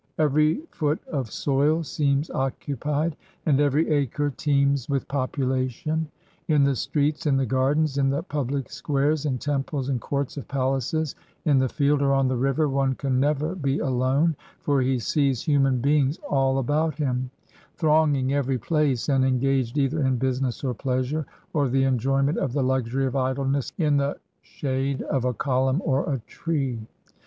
Every foot of soil seems occupied, and ever}' acre teems with population. In the streets, in the gardens, in the public squares, in temples, and courts of palaces, in the field, or on the river, one can never be alone, for he sees human beings all about him, thronging every place, and engaged either in business or pleasure, or the enjoyment of the luxury of idleness in the shade of a column or a tree.